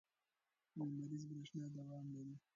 لمریزه برېښنا دوام لري.